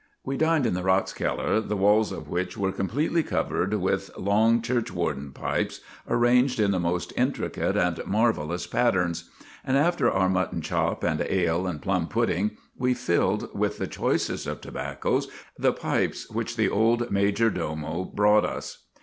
We dined in the rathskeller, the walls of which were completely covered with long churchwarden 3 4 GULLIVER THE GREAT pipes, arranged in the most intricate and marvelous patterns; and after our mutton chop and ale and plum pudding, we filled with the choicest of tobaccos the pipes which the old major domo brought us.